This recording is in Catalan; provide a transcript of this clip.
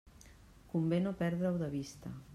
Convé no perdre-ho de vista.